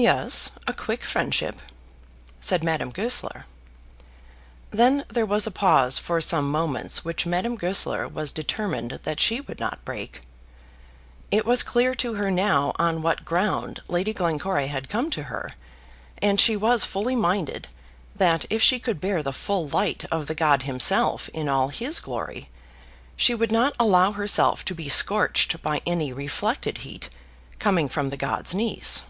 "Yes; a quick friendship," said Madame Goesler. Then there was a pause for some moments which Madame Goesler was determined that she would not break. It was clear to her now on what ground Lady Glencora had come to her, and she was fully minded that if she could bear the full light of the god himself in all his glory, she would not allow herself to be scorched by any reflected heat coming from the god's niece.